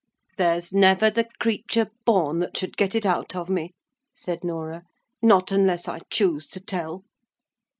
"There's never the creature born that should get it out of me," said Norah. "Not unless I choose to tell."